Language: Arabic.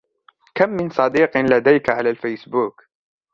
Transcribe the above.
كم من صديق لديك على الفيسبوك ؟